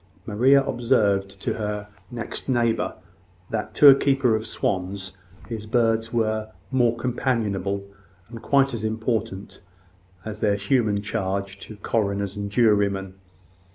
Maria observed to her next neighbour that, to a keeper of swans, his birds were more companionable, and quite as important, as their human charge to coroners and jurymen.